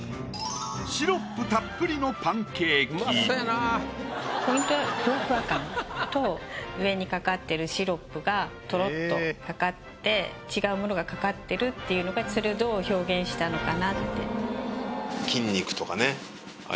シロップたっぷりのポイントはふわふわ感と上にかかってるシロップがとろっとかかって違うものがかかってるっていうのがそれをどう表現したのかなって。